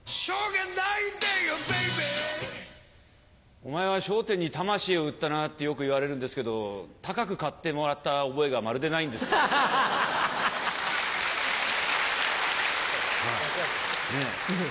「お前は『笑点』に魂を売ったな」ってよく言われるんですけど高く買ってもらった覚えがまるでないんです。ねぇ。